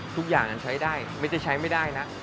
ทุกอย่างกันใช้ได้ไม่ใช่ไม่ได้นะ